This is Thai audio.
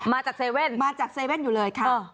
มาจากเซเว่นมาจากเซเว่นอยู่เลยค่ะ